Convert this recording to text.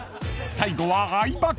［最後は］